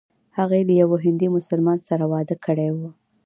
هغې له یوه هندي مسلمان سره واده کړی و.